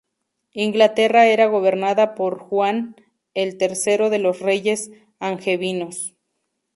Inglaterra era gobernada por Juan I, el tercero de los reyes angevinos.